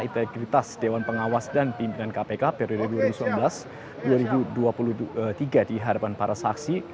integritas dewan pengawas dan pimpinan kpk periode dua ribu sembilan belas dua ribu dua puluh tiga di hadapan para saksi